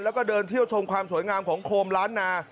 แล้วก็เดินเที่ยวชมความสวยงามของโคมล้านนา